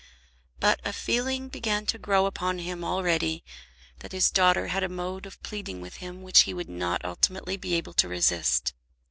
But a feeling began to grow upon him already that his daughter had a mode of pleading with him which he would not ultimately be able to resist.